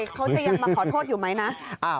เขาจะยังมาขอโทษอยู่ไหมนะ